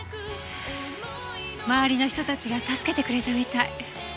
周りの人たちが助けてくれたみたい。